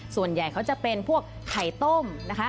ส่วนใหญ่เขาจะเป็นพวกไข่ต้มนะคะ